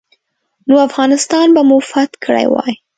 نو افغانستان به مو فتح کړی وای.